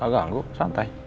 gak ganggu santai